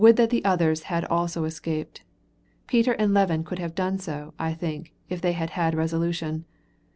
Would that the others had also escaped. Peter and Levin could have done so, I think, if they had had resolution.